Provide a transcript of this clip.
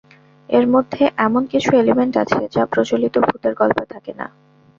এর মধ্যে এমন কিছু এলিমেন্ট আছে, যা প্রচলিত ভূতের গল্পে থাকে না।